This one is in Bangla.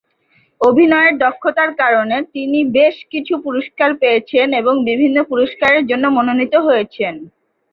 অভিনয়ের দক্ষতার কারণে তিনি বেশ কিছু পুরস্কার পেয়েছেন এবং বিভিন্ন পুরস্কারের জন্য মনোনীত হয়েছেন।